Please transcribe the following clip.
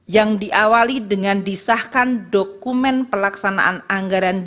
yang diawali dengan disahkan dokumen pelaksanaan anggaran